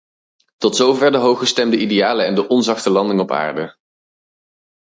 Tot zover de hooggestemde idealen en de onzachte landing op aarde.